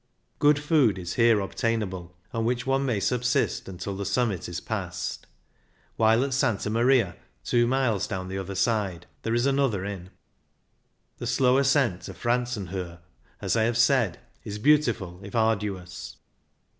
Good food is here obtainable, on which one may subsist until the summit is passed ; while at Santa Maria, two miles down the other side, there is another inn. The slow ascent to Franzenhohe, as I have said, is beautiful if arduous.